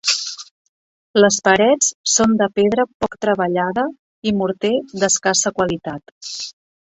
Les parets són de pedra poc treballada i morter d'escassa qualitat.